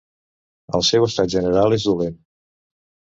El seu estat general és dolent.